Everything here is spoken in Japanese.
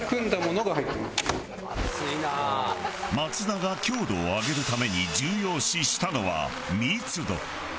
田が強度を上げるために重要視したのは密度。